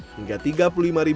hingga tiga rupiah untuk pakaian